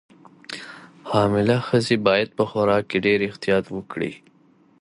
حامله ښځې باید په خوراک کې ډېر احتیاط وکړي.